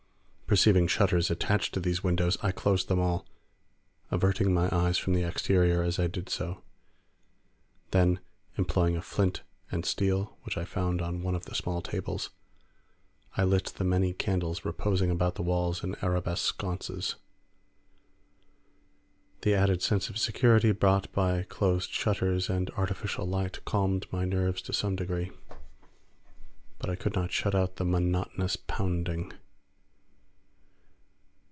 Perceiving shutters attached to these windows, I closed them all, averting my eyes from the exterior as I did so. Then, employing a flint and steel which I found on one of the small tables, I lit the many candles reposing about the walls in arabesque sconces. The added sense of security brought by closed shutters and artificial light calmed my nerves to some degree, but I could not shut out the monotonous pounding.